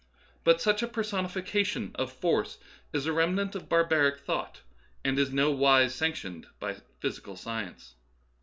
But such a personification of " force " is a remnant of barbaric thought, and is in no wise sanctioned by physical science.